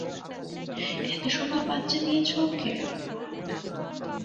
এতো সুন্দর বাচ্চা দিয়েছো ওকে?